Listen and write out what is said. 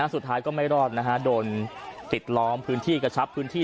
สุดท้ายก็ไม่รอดนะฮะโดนปิดล้อมพื้นที่กระชับพื้นที่